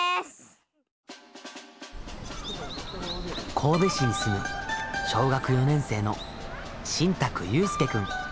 神戸市に住む小学４年生の新宅佑輔君。